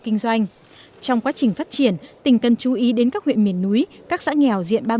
kinh doanh trong quá trình phát triển tỉnh cần chú ý đến các huyện miền núi các xã nghèo diện